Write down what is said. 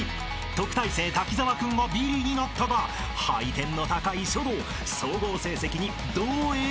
［特待生滝沢君がビリになったが配点の高い書道総合成績にどう影響するのか？］